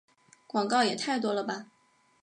广告也太多了吧